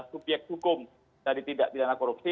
subyek hukum jadi tidak di dana korupsi